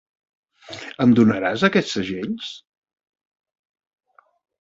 Em donaràs aquests segells?